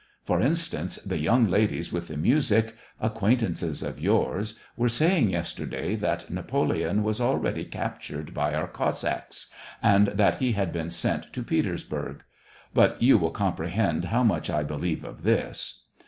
For instance, tho. youjig ladies with the m7isic, acquaintances of yours, were saying yester day that Napoleon was already captured by our Cossacks, and that he had been sent to Peters burg ; but you will comprehend how much I be lieve of this.